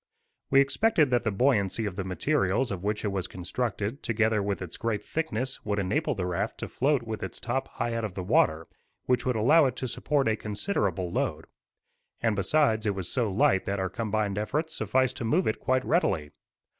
We expected that the buoyancy of the materials of which it was constructed, together with its great thickness, would enable the raft to float with its top high out of the water, which would allow it it to support a considerable load. And, besides, it was so light that our combined efforts sufficed to move it quite readily.